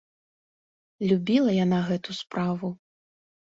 Любіла яна гэту справу.